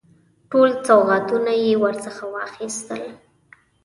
ټول سوغاتونه یې ورڅخه واخیستل.